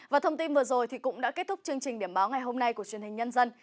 và thông tin vừa rồi cũng đã kết thúc chương trình điểm báo ngày hôm nay của truyền hình nhân dân